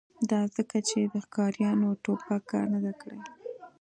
دا ځکه چې د ښکاریانو ټوپک کار نه دی کړی